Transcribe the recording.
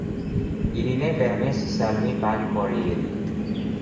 Ili ne permesis al mi pagi por ili.